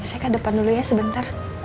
isekah depan dulu ya sebentar